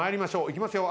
いきますよ。